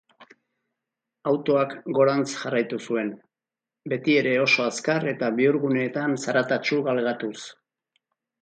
Autoak gorantz jarraitu zuen, betiere oso azkar eta bihurguneetan zaratatsu galgatuz.